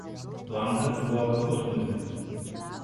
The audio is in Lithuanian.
Plankas buvo gabus muzikai.